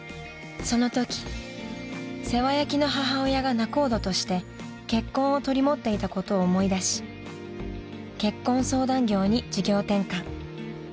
［そのとき世話焼きの母親が仲人として結婚を取り持っていたことを思い出し結婚相談業に事業転換］